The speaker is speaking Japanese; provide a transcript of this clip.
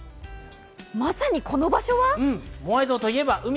まさにこの場所は？